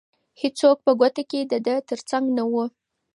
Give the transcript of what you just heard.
هیڅوک په کوټه کې د ده تر څنګ نه وو.